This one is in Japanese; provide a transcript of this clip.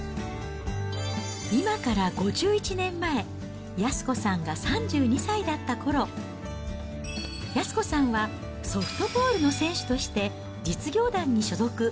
今から５１年前、安子さんが３２歳だったころ、安子さんはソフトボールの選手として実業団に所属。